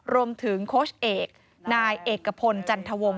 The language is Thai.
รวมถึงโค้ชเอกนายเอกกระพลจันทวง